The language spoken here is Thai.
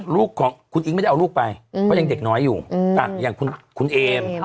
ลูกของคุณอิ๊งไม่ได้เอาลูกไปเพราะยังเด็กน้อยอยู่อย่างคุณเอม